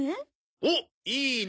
おっいいな！